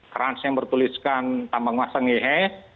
kerans yang bertuliskan tambang emas sangihe